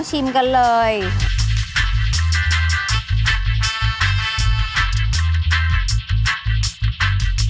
เพราะว่าผักหวานจะสามารถทำออกมาเป็นเมนูอะไรได้บ้าง